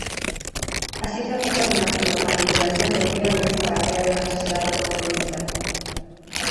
Así trata temas como la manipulación de embriones para crear una sociedad conformista.